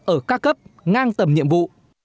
ở các cấp ngang tầm nhiệm vụ